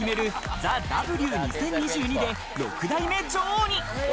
『ＴＨＥＷ』２０２２で、６代目女王に。